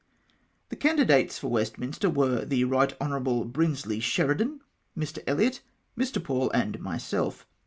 The candidates for Westminster were, the Pdght Hon. Brinsley Sheridan, ]Mr. Elliot, ^Ii\ Paul, and myself.